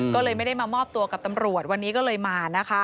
ก็เลยไม่ได้มามอบตัวกับตำรวจวันนี้ก็เลยมานะคะ